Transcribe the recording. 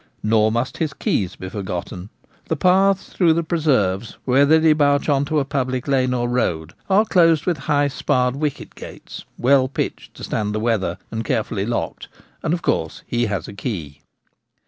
Nor must his keys be forgotten. The paths through the pre serves, where they debouch on a public lane or road, are closed with high sparred wicket gates, well pitched to stand the weather, and carefully locked, and of course he has a key.